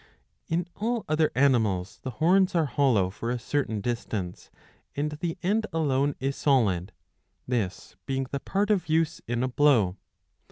In all other animals the horns are hollow for a certain distance, and the end alone is solid, this being the part of use in a blow.